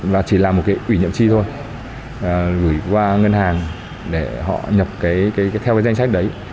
và chỉ làm một cái quỷ nhậm chi thôi gửi qua ngân hàng để họ nhập theo cái danh sách đấy